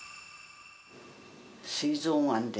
すい臓がんで、